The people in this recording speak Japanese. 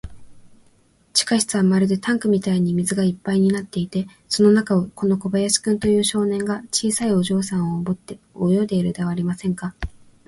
地下室はまるでタンクみたいに水がいっぱいになっていて、その中を、この小林君という少年が、小さいお嬢さんをおぶって泳いでいるじゃありませんか。